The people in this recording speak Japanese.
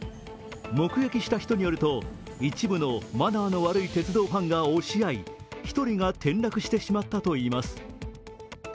目撃した人によると、一部のマナーの悪い鉄道ファンが押し合い１人が転落してしまったといいます。